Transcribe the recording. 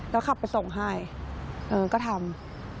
แล้วขับไปส่งให้เออก็ทำ